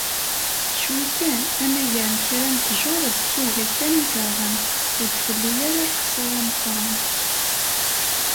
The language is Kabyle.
Cwi kan anagar n kra n tjur d tuga kan i yerɣan, ur d-telli ara lexsara meqqren.